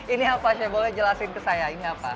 ini apa chef boleh jelasin ke saya ini apa